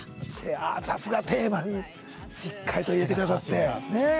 さすがテーマをしっかり入れてくださって。